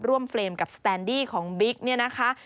เฟรมกับสแตนดี้ของบิ๊กเนี่ยนะคะ